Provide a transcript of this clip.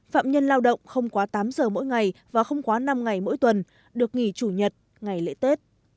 phạm nhân lao động không quá tám giờ mỗi ngày và không quá năm ngày mỗi tuần được nghỉ chủ nhật ngày lễ tết